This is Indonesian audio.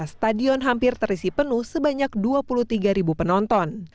stadion hampir terisi penuh sebanyak dua puluh tiga penonton